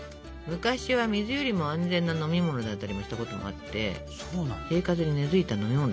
昔は水よりも安全な飲み物だったりもしたこともあって生活に根づいた飲み物だったってことね。